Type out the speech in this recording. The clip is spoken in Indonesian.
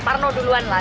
parno duluan lah